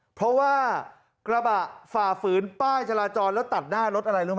เพราะว่ากระบะฝ่าฝืนป้ายจราจรแล้วตัดหน้ารถอะไรรู้ไหม